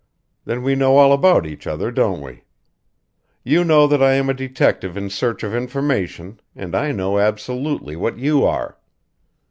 Then we know all about each other, don't we. You know that I am a detective in search of information and I know absolutely what you are!"